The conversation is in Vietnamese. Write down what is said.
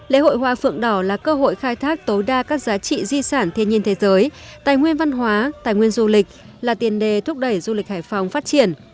lễ hội hoa phượng đỏ là cơ hội khai thác tối đa các giá trị di sản thiên nhiên thế giới tài nguyên văn hóa tài nguyên du lịch là tiền đề thúc đẩy du lịch hải phòng phát triển